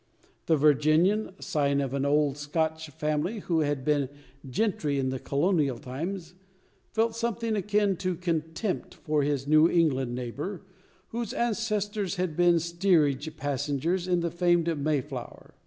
The Virginian scion of an old Scotch family, who had been gentry in the colonial times felt something akin to contempt for his New England neighbour, whose ancestors had been steerage passengers in the famed "Mayflower."